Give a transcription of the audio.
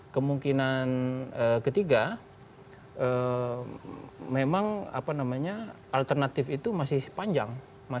kemungkinan ketiga memang alternatif itu masih panjang